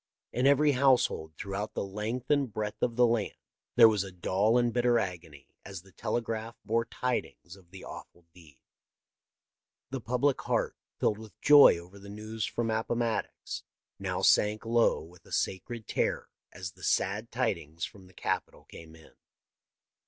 In every household throughout the length and breadth of the land there was a dull and bitter agony as the telegraph bore tidings of the awful deed. The public heart, filled with joy over the news from Appomattox, now sank low with a sacred terror as the sad tidings from the Capitol came in.